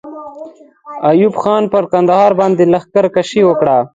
ایوب خان پر کندهار باندې لښکر کشي وکړه.